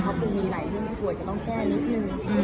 เพราะปูมีหลายเรื่องที่ปูอาจจะต้องแก้นิดนึง